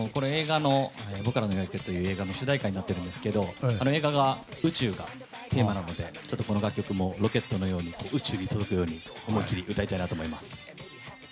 「ぼくらのよあけ」という映画の主題歌になってるんですけど映画が宇宙がテーマなのでちょっとこの楽曲もロケットのように宇宙に届くように思い切り歌いたいと思います。